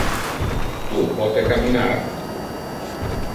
Tu pote camminar?